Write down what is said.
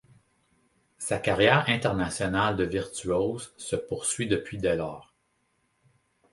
Sa carrière internationale de virtuose se poursuit depuis dès lors.